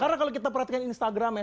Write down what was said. karena kalau kita perhatikan instagram ya